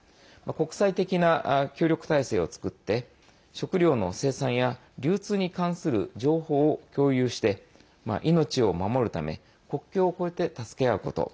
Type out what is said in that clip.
国際的な協力体制を作って食糧の生産や流通に関する情報を共有して命を守るため国境を越えて助け合うこと。